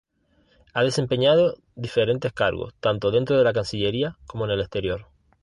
Ha desempeñado diferentes cargos, tanto dentro de la Cancillería como en el exterior.